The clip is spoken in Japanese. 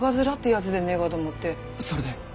それで？